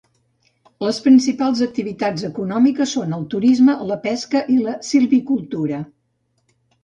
Les principals activitats econòmiques són el turisme, la pesca i la silvicultura.